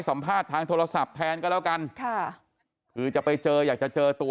สัมภาษณ์ทางโทรศัพท์แทนก็แล้วกันค่ะคือจะไปเจออยากจะเจอตัว